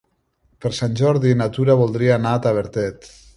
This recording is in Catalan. Per Sant Jordi na Tura voldria anar a Tavertet.